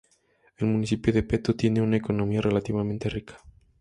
El municipio de Peto tiene una economía relativamente rica.